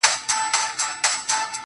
راوړم سکروټې تر دې لویي بنگلې پوري